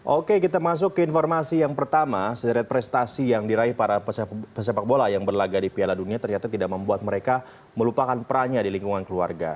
oke kita masuk ke informasi yang pertama sederet prestasi yang diraih para pesepak bola yang berlaga di piala dunia ternyata tidak membuat mereka melupakan perannya di lingkungan keluarga